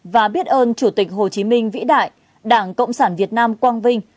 và biết ơn chủ tịch hồ chí minh vĩ đại đảng cộng sản việt nam quang vinh